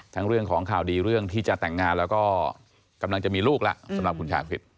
เรื่องของข่าวดีเรื่องที่จะแต่งงานแล้วก็กำลังจะมีลูกแล้วสำหรับคุณชาคริส